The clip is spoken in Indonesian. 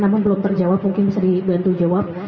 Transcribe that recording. namun belum terjawab mungkin bisa dibantu jawab